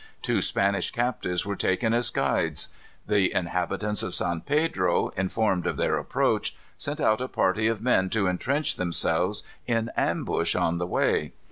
Two Spanish captives were taken as guides. The inhabitants of San Pedro, informed of their approach, sent out a party of men to intrench themselves in ambush on the way.